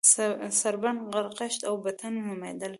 سړبن، غرغښت او بټن نومېدل.